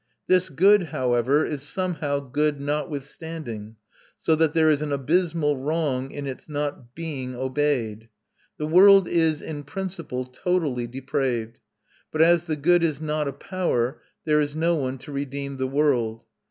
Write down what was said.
This good, however, is somehow good notwithstanding; so that there is an abysmal wrong in its not being obeyed. The world is, in principle, totally depraved; but as the good is not a power, there is no one to redeem the world.